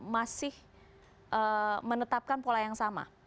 masih menetapkan pola yang sama